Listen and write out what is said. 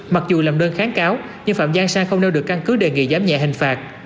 mặc dù làm đơn kháng cáo nhưng phạm giang sang không nêu được căn cứ đề nghị giảm nhẹ hình phạt